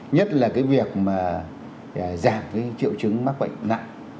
nhất là cái việc mà giảm cái triệu chứng mắc bệnh nặng